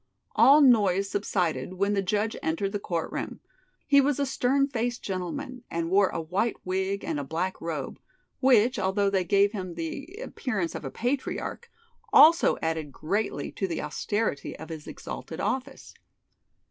All noise subsided when the judge entered the court room. He was a stern faced gentleman, and wore a white wig and a black robe, which, although they gave him the appearance of a patriarch, also added greatly to the austerity of his exalted office.